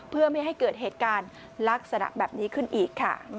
เพื่อไม่ให้เกิดเหตุการณ์ลักษณะแบบนี้ขึ้นอีกค่ะ